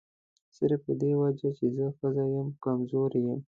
صرف په دې وجه چې زه ښځه یم کمزوري یم.